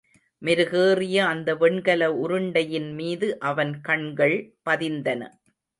மெருகேறிய அந்த வெண்கல உருண்டையின் மீது அவன் கண்கள் பதிந்தன.